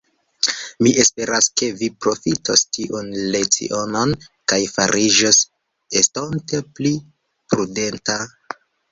Mi esperas, ke vi profitos tiun lecionon, kaj fariĝos estonte pli prudenta.